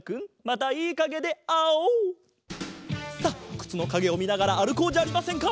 くつのかげをみながらあるこうじゃありませんか！